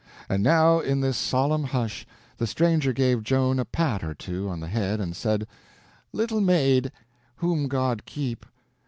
And now, in this solemn hush, the stranger gave Joan a pat or two on the head and said: "Little maid—whom God keep!